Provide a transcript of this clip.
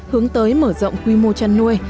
hướng tới mở rộng quy mô chăn nuôi